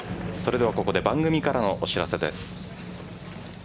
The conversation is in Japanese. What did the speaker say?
ここで番組からのお知らせです。